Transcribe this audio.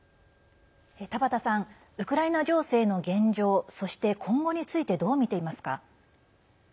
田端さん、ウクライナ情勢の現状そして、今後についてどう見ていますか？